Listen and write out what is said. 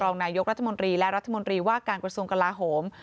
รองนายกราธมรีและราธมรีวาคกรสมกระลาฮม